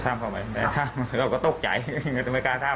ทราบเข่าไหมไม่ทราบแกแกต้องตกจ่ายแล้วไม่กล้าทราบ